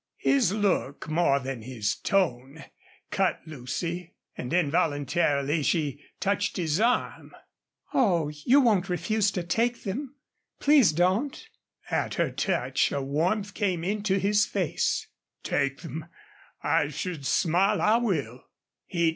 His look, more than his tone, cut Lucy; and involuntarily she touched his arm. "Oh, you won't refuse to take them! Please don't!" At her touch a warmth came into his face. "Take them? I should smile I will."